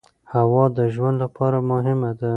هوا د ژوند لپاره مهمه ده.